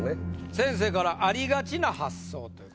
先生から「ありがちな発想」という。